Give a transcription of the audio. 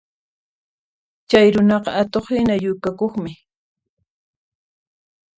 Chay runaqa atuqhina yukakuqmi